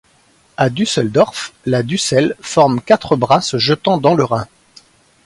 À Düsseldorf la Düssel forme quatre bras se jetant dans le Rhin.